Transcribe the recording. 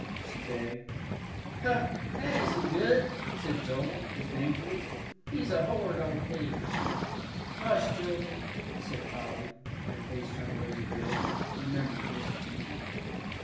she begged. "Hoh, that isn't good!" said Joel, disdainfully. "He's a horrid old pig." "Hush, Joey," said Polly, and her face turned rosy red, remembering Mrs. Beebe.